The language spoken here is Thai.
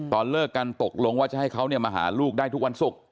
เลิกกันตกลงว่าจะให้เขามาหาลูกได้ทุกวันศุกร์